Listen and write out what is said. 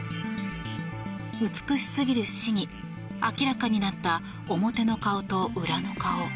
美しすぎる市議、明らかになった表の顔と裏の顔。